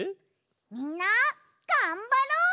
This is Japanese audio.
みんながんばろう！